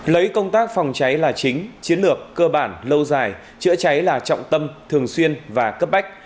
lấy công tác phòng cháy là chính chiến lược cơ bản lâu dài chữa cháy là trọng tâm thường xuyên và cấp bách